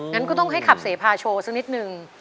งั้นก็ต้องให้ขับเสพาโชว์สักนิดนึง